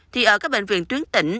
thì ở các bệnh viện tuyến tỉnh